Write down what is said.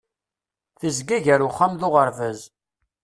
Tezga gar uxxam d uɣerbaz.